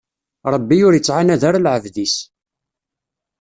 Ṛebbi ur ittɛanad ara lɛebd-is.